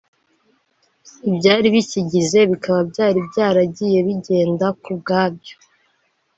ibyari bikigize bikaba byari byaragiye byigenga ku bwabyo